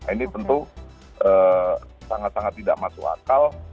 ini tentu sangat sangat tidak masuk akal